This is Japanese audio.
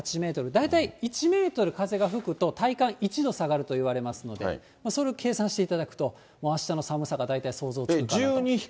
大体、１メートル風が吹くと体感１度下がるといわれますので、それを計算していただくと、もうあしたの寒さが大体想像つくかと。